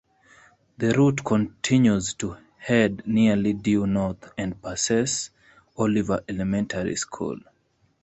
The route continues to head nearly due north, and passes Oliver Elementary School.